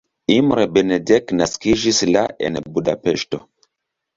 Imre Benedek naskiĝis la en Budapeŝto.